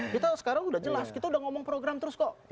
kita sekarang udah jelas kita udah ngomong program terus kok